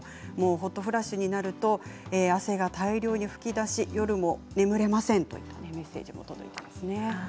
ホットフラッシュになると汗が大量に吹き出し夜も眠れませんというメッセージも届いています。